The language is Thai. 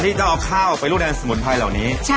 ที่จะเอาข้าวไปลูกในสมุนไพรเหล่านี้